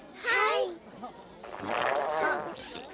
はい。